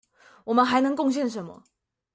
我們還能貢獻什麼？